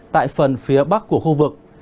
tại phần phía bắc của khu vực